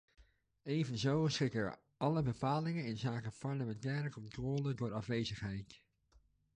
Evenzo schitteren alle bepalingen inzake parlementaire controle door afwezigheid.